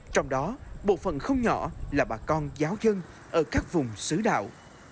trong đó bộ phần không nhỏ là bà con giáo dân ở các vùng xứ đạo